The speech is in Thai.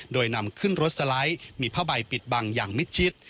โดยนำขึ้นรถสไลด์มีผ้าใบปิดบังอย่างมิดชิด